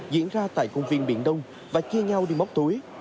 diễn ra tại công viên biển đông và chia nhau đi móc túi